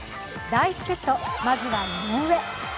第１セット、まずは井上。